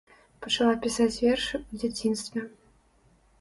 Пачала пісаць вершы ў дзяцінстве.